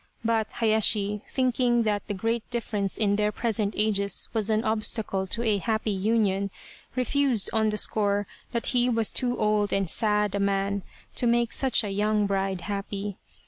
But Hayashi, thinking that the great difference in their present ages was an obstacle to a happy union, refused on the score that he was too old and sad a man to make such a young bride happy.